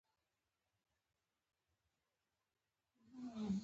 مینه رانده ده او کینه ړنده ده.